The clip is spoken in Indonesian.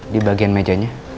di bagian mejanya